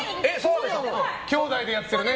きょうだいでやっててね。